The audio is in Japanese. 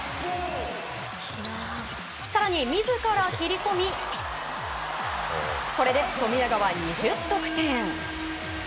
更に自ら切り込みこれで富永は２０得点。